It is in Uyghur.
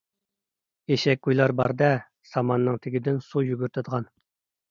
ئېشەك گۇيلا بار-دە، ساماننىڭ تېگىدىن سۇ يۈگۈرتىدىغان.